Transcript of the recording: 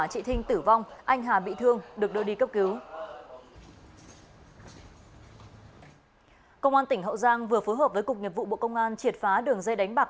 công an tỉnh hậu giang vừa phối hợp với cục nghiệp vụ bộ công an triệt phá đường dây đánh bạc